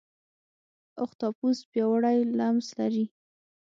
اختاپوس پیاوړی لمس لري.